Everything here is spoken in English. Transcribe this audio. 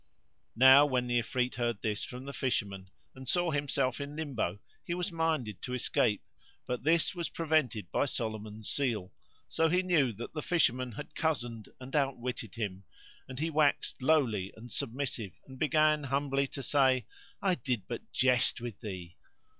Now when the Ifrit heard this from the Fisherman and saw him self in limbo, he was minded to escape, but this was prevented by Solomon's seal; so he knew that the Fisherman had cozened and outwitted him, and he waxed lowly and submissive and began humbly to say, "I did but jest with thee."